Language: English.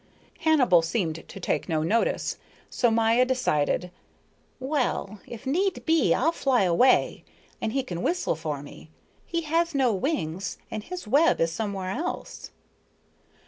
Hannibal seemed to take no notice, so Maya decided, "Well if need be I'll fly away, and he can whistle for me; he has no wings and his web is somewhere else."